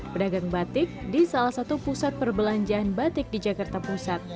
pedagang batik di salah satu pusat perbelanjaan batik di jakarta pusat